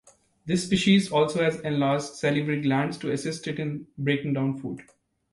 This species also has enlarged salivary glands to assist it in breaking down food.